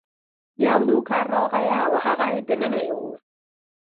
یو نوکر راغی او هغه یې دننه یووړ.